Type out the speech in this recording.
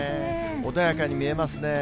穏やかに見えますね。